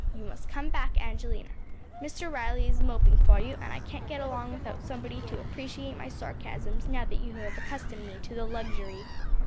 You must come back, Angelina. Mr. Riley is moping for you, and I can’t get along without somebody to appreciate my sarcasms, now that you have accustomed me to the luxury.